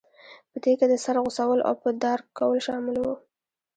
په دې کې د سر غوڅول او په دار کول شامل وو.